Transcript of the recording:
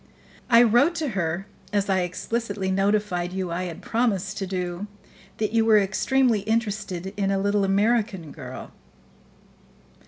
"I wrote to her as I explicitly notified you I had promised to do that you were extremely interested in a little American girl."